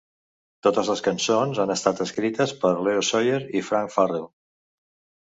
Totes les cançons han estat escrites per Leo Sayer i Frank Farrell.